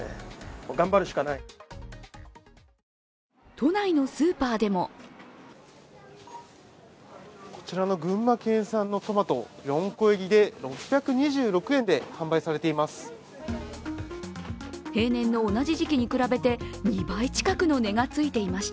都内のスーパーでもこちらの群馬県産のトマト、４個入りで６２６円で販売されています。